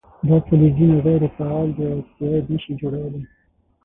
دا فلزونه غیر فعال دي او اکساید نه شي جوړولی.